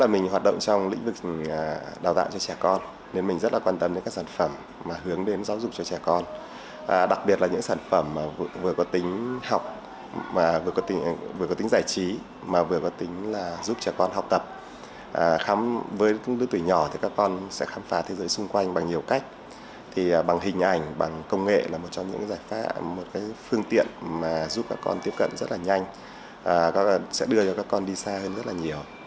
mình là một trong những giải pháp một phương tiện giúp các con tiếp cận rất là nhanh sẽ đưa cho các con đi xa hơn rất là nhiều